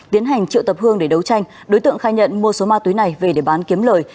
tiến hành triệu tập hương để đấu tranh đối tượng khai nhận mua số ma túy này về để bán kiếm lời